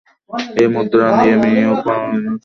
এ মুদ্রা দিয়ে বিনিয়োগ, বিভিন্ন চুক্তিসহ নানা কাজ করা হয়।